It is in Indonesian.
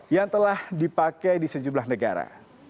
yang telah dipakai di sejumlah negara